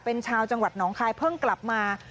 เป็นชาวจังหวัดหนองคายเพิ่งกลับมา